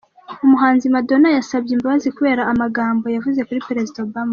Umuhanzi Madonna yasabye imbabazi kubera amagambo yavuze kuri Perezida Obama